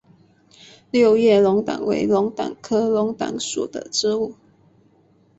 六叶龙胆为龙胆科龙胆属的植物。